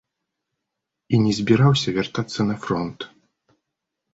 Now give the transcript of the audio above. І не збіраўся вяртацца на фронт.